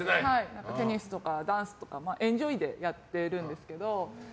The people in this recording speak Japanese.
テニスとかダンスとかエンジョイでやってるんですけど。